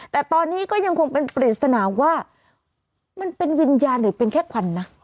แต่ตอนนี้ก็ยังคงเป็นปริศนาว่ามันเป็นวิญญาณหรือเป็นแค่ควันนะ